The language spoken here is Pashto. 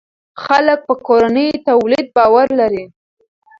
خلک په کورني تولید باور لري.